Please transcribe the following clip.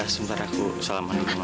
sebentar aku salam mandi ke mama